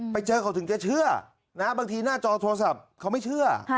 ไปเจอเขาถึงจะเชื่อบางทีหน้าจอโทรศัพท์เขาไม่เชื่อ